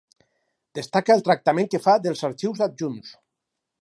Destaca el tractament que fa dels arxius adjunts.